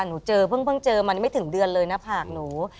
หนูเจอเพิ่งเจอมาไม่ถึงเดือนเลยแล้ว